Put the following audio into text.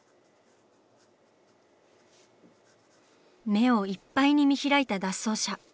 目をいっぱいに見開いた脱走者。